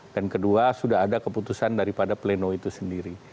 dan kedua sudah ada keputusan daripada plenwo itu sendiri